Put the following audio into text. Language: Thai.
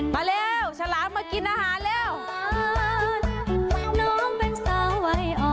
มาเร็วฉลาดมากินอาหารเร็ว